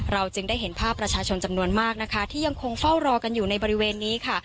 จึงได้เห็นภาพประชาชนจำนวนมากนะคะที่ยังคงเฝ้ารอกันอยู่ในบริเวณนี้ค่ะ